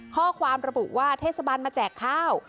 ข้อความระบุว่าเทศบาลมาแจกข้าว